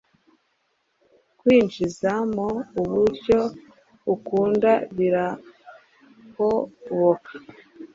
Kwinjizamo uburyo ukunda birahoboka